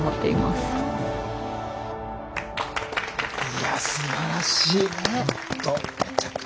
いやすばらしいほんと。